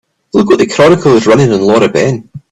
Look what the Chronicle is running on Laura Ben.